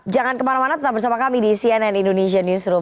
jangan kemana mana tetap bersama kami di cnn indonesia newsroom